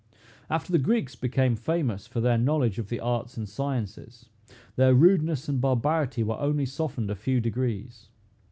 After the Greeks became famous for their knowledge of the arts and sciences, their rudeness and barbarity were only softened a few degrees.